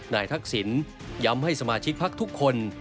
ทักษิณย้ำให้สมาชิกพักทุกคน